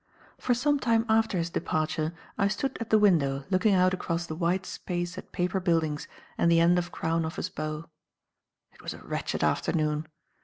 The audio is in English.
For some time after his departure, I stood at the window looking out across the wide space at Paper Buildings and the end of Crown Office Bow. It was a wretched afternoon.